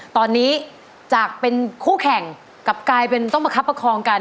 ตอนนี้จากเป็นคู่แข่งกลับกลายเป็นต้องประคับประคองกัน